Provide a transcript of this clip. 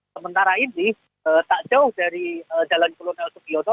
sementara ini tak jauh dari jalan kolonel sugiono